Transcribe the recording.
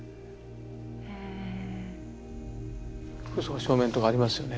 その正面とこありますよね